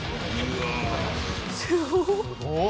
すごっ。